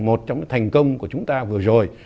một trong thành công của chúng ta vừa rồi